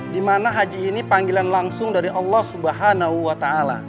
dimana haji ini panggilan langsung dari allah swt